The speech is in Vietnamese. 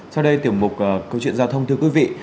sau đây tiểu mục câu chuyện giao thông thưa quý vị